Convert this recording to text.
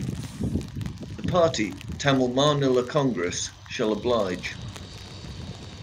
The party, Tamil Maanila Congress shall oblige.